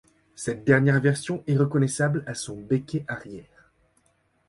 Cette dernière version est reconnaissable à son becquet arrière.